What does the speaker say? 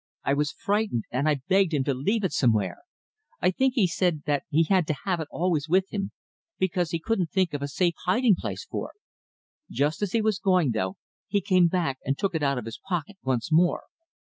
I was frightened, and I begged him to leave it somewhere. I think he said that he had to have it always with him, because he couldn't think of a safe hiding place for it. Just as he was going, though, he came back and took it out of his pocket once more."